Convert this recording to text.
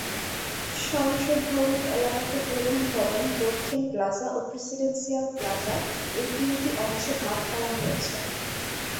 সংসদ ভবন এলাকাকে প্রধান ভবন, দক্ষিণ প্লাজা ও প্রেসিডেন্সিয়াল প্লাজা এই তিনটি অংশে ভাগ করা হয়েছে।